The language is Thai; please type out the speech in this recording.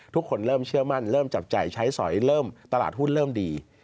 ทุกคนเริ่มเชื่อมั่นเริ่มจับจ่ายใช้สอยเริ่มตลาดหุ้นเริ่มดี